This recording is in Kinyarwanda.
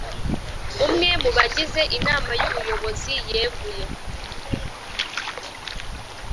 Umwe mu bagize inama y ubuyobozi yeguye